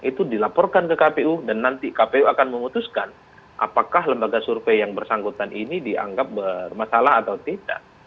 itu dilaporkan ke kpu dan nanti kpu akan memutuskan apakah lembaga survei yang bersangkutan ini dianggap bermasalah atau tidak